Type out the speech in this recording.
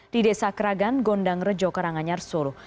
di desa keragan gondang rejok ranganyarsoro